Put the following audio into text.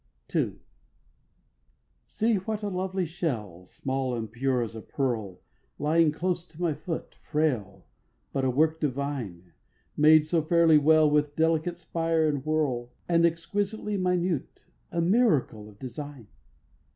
II. 1. See what a lovely shell, Small and pure as a pearl, Lying close to my foot, Frail, but a work divine, Made so fairily well With delicate spire and whorl, How exquisitely minute, A miracle of design!